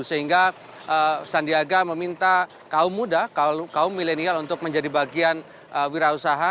sehingga sandiaga meminta kaum muda kaum milenial untuk menjadi bagian wira usaha